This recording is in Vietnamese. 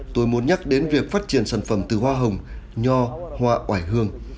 tôi muốn nhắc đến việc phát triển sản phẩm từ hoa hồng nho hoa oải hương